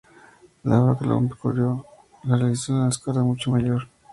La obra que lo encumbró la realizó en una escala mucho mayor.